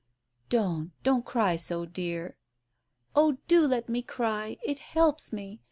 "Don't, don't cry so, dear !" "Oh, do let me cry — it helps me!